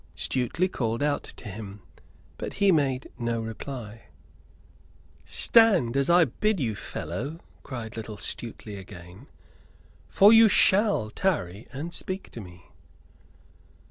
Stuteley called out to him, but he made no reply. "Stand, as I bid you, fellow," cried little Stuteley again, "for you shall tarry and speak to me."